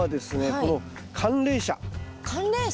この寒冷紗。